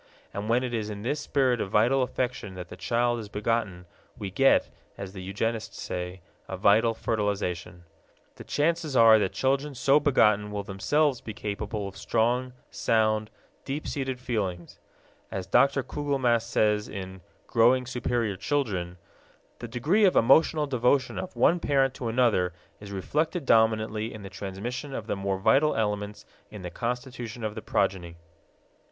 And when it is in this spirit of vital affection that the child is begotten, we get, as the eugenists say, a vital fertilization. The chances are that children so begotten will themselves be capable of strong, sound, deep seated feelings. As Dr. Kugelmass says in Growing Superior Children, "The degree of emotional devotion of one parent to another is reflected dominantly in the transmission of the more vital elements in the constitution of the progeny."